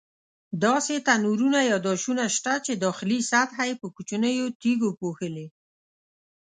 داسې تنورونه یا داشونه شته چې داخلي سطحه یې په کوچنیو تیږو پوښلې.